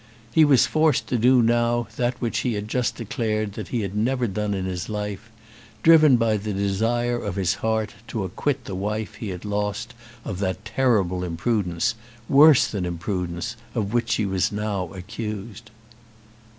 He was forced to do now that which he had just declared that he had never done in his life, driven by the desire of his heart to acquit the wife he had lost of the terrible imprudence, worse than imprudence, of which she was now accused.